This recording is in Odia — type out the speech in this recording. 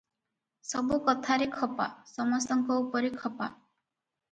ସବୁ କଥାରେ ଖପା, ସମସ୍ତଙ୍କ ଉପରେ ଖପା ।